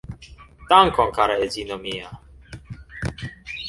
Dankon kara edzino mia